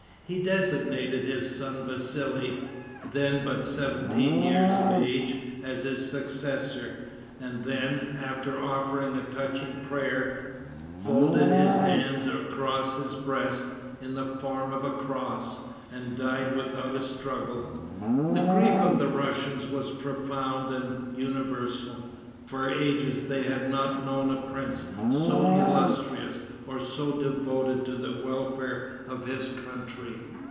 He designated his son Vassali, then but seventeen years of age, as his successor, and then, after offering a touching prayer, folded his hands across his breast, in the form of a cross, and died without a struggle. The grief of the Russians was profound and universal. For ages they had not known a prince so illustrious or so devoted to the welfare of his country.